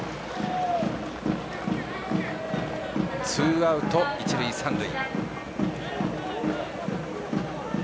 ツーアウト、一塁三塁。